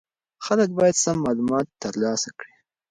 خلک باید سم معلومات ترلاسه کړي.